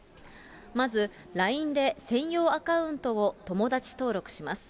まずＬＩＮＥで専用アカウントを友達登録します。